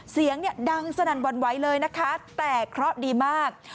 เสียงดังสนั่นวันไว้เลยแต่เคราะห์ดีมาก